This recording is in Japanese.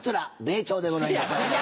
米朝でございます。